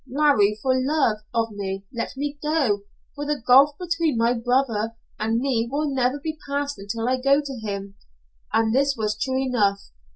"'Larry, for love of me, let me go for the gulf between my twin brother and me will never be passed until I go to him.' And this was true enough.